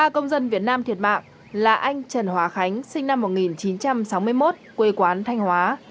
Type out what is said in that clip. ba công dân việt nam thiệt mạng là anh trần hòa khánh sinh năm một nghìn chín trăm sáu mươi một quê quán thanh hóa